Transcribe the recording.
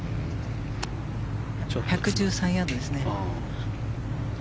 １１３ヤードですね。